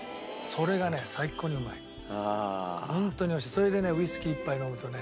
それでねウイスキー１杯飲むとね